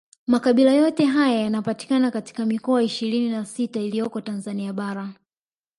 Makabila yote haya yanapatikana katika mikoa ishirini na sita iliyopo Tanzania bara